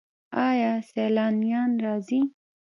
آیا سیلانیان راځي؟